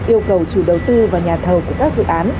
yêu cầu chủ đầu tư và nhà thầu của các dự án